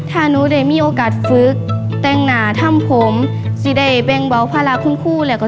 ถ้าหนูได้มีโอกาสฝึกแต่งหนาทำผมจะยกบางพระพลาค์ของคู่ได้ค่ะ